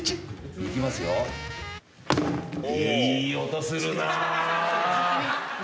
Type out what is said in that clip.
いい音するな。